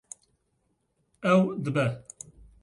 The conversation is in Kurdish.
Ew dibe.